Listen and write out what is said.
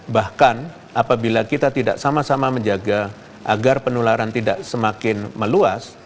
bahkan apabila kita tidak sama sama menjaga agar penularan tidak semakin meluas